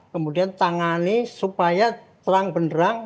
kemudian tangani supaya terang benderang